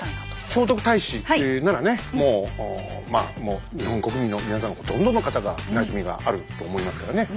聖徳太子ならねもう日本国民の皆さんほとんどの方がなじみがあると思いますからね。